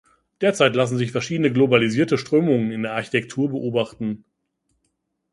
Derzeit lassen sich verschiedene globalisierte Strömungen in der Architektur beobachten.